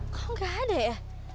kok gak ada ya